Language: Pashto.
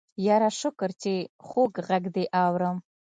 يره شکر چې خوږ غږ دې اورم.